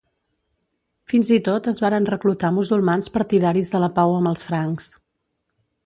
Fins i tot es varen reclutar musulmans partidaris de la pau amb els francs.